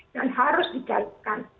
dan harus dikaitkan